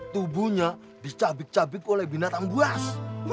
tubuhnya dicabik cabik oleh binatang buas